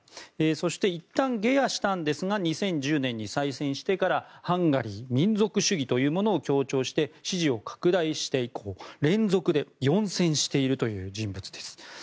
そしていったん下野したんですが２０１０年に再選してからハンガリー民族主義というものを強調して支持を拡大して以降連続で４選しているという人物です。